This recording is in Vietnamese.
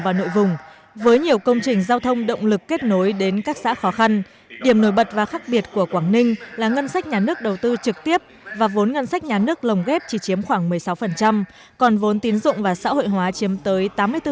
với nhiều công trình giao thông động lực kết nối đến các xã khó khăn điểm nổi bật và khác biệt của quảng ninh là ngân sách nhà nước đầu tư trực tiếp và vốn ngân sách nhà nước lồng ghép chỉ chiếm khoảng một mươi sáu còn vốn tín dụng và xã hội hóa chiếm tới tám mươi bốn